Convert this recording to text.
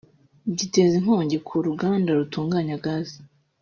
giteza inkongi ku ruganda rutunganya gazi